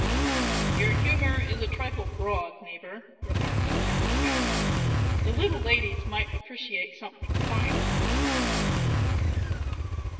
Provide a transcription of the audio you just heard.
"Your humour is a trifle broad, neighbour," remarked Master Gower; "the little ladies might appreciate something finer."